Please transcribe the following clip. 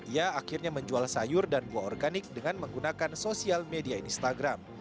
ia akhirnya menjual sayur dan buah organik dengan menggunakan sosial media instagram